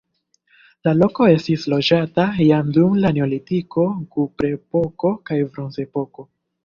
La loko estis loĝata jam dum la neolitiko, kuprepoko kaj bronzepoko.